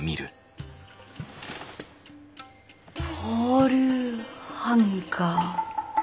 ポールハンガー？